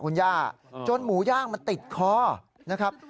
คุณย่าจนหมูย่างมันติดคอนะครับ